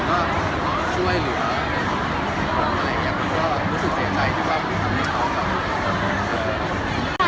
และช่วยหรือไม่ช่างจะรู้สึกเสียใจที่วันที่ทำให้เขา